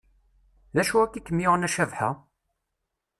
D acu akka i kem-yuɣen a Cabḥa?